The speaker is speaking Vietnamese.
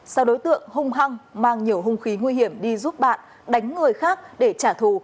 sau đối tượng hung hăng mang nhiều hung khí nguy hiểm đi giúp bạn đánh người khác để trả thù